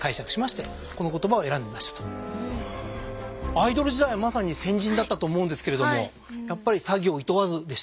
アイドル時代はまさに戦陣だった思うんですけれどもやっぱり詐欺を厭わずでした？